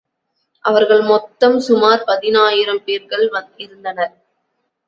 அவர்கள் மொத்தம் சுமார் பதினாயிரம் பேர்கள் இருந்தனர்.